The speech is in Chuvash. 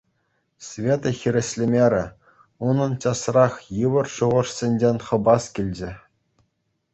Света хирӗҫлемерӗ. Унӑн часрах йывӑр шухӑшсенчен хӑпас килчӗ.